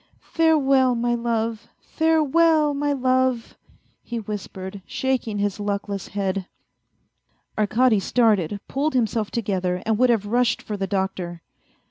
" Farewell, my love ! Farewell, my love !" he whispered, shaking his luckless head. Arkady started, pulled himself to gether and would have rushed for the doctor.